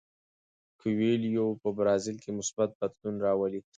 کویلیو په برازیل کې مثبت بدلون راولي.